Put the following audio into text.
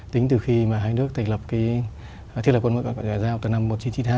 tính từ khi hai nước thiết lập quân môi quan hệ giao từ năm một nghìn chín trăm chín mươi hai